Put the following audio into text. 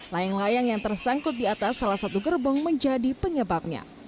layang layang yang tersangkut di atas salah satu gerbong menjadi penyebabnya